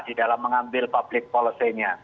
di dalam mengambil public policy nya